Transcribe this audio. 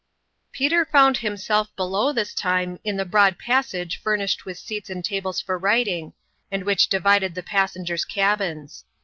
PETER found himself below this time, in the broad passage, furnished with seats and tables for writing, and which divided the passengers' cabins.